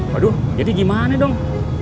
waduh jadi gimana dong